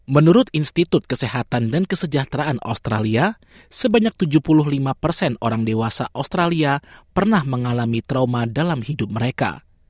menurut institut kesehatan dan kesejahteraan australia sebanyak tujuh puluh lima orang dewasa australia pernah mengalami trauma dalam hidup mereka